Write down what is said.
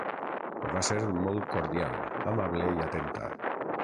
Va ser molt cordial, amable i atenta.